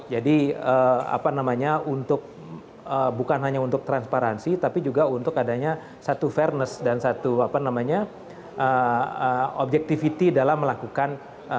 jadi apa namanya untuk bukan hanya untuk transparansi tapi juga untuk adanya satu fairness dan satu objektiviti dalam melakukan